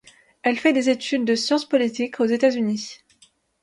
Elle fait des études de sciences politiques aux États-Unis.